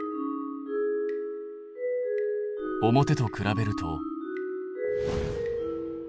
表と比べると。